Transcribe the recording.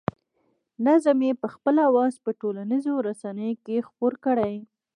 نظم یې په خپل اواز په ټولنیزو رسنیو کې خپور کړی.